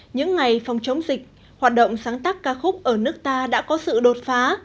những ngày phòng chống dịch hoạt động sáng tác ca khúc ở nước ta đã có sự đột phá